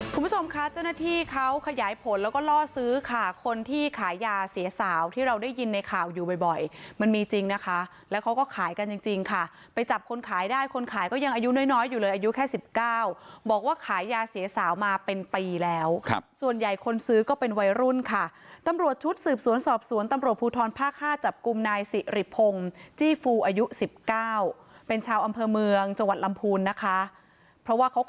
คุณผู้ชมค่ะเจ้าหน้าที่เขาขยายผลแล้วก็ล่อซื้อค่ะคนที่ขายยาเสียสาวที่เราได้ยินในข่าวอยู่บ่อยมันมีจริงนะคะแล้วเขาก็ขายกันจริงค่ะไปจับคนขายได้คนขายก็ยังอายุน้อยอยู่เลยอายุแค่สิบเก้าบอกว่าขายยาเสียสาวมาเป็นปีแล้วส่วนใหญ่คนซื้อก็เป็นวัยรุ่นค่ะตำรวจชุดสืบสวนสอบสวนตำรวจภูทร